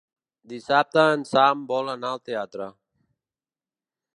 Dissabte en Sam vol anar al teatre.